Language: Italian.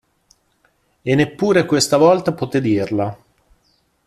E neppure questa volta potè dirla.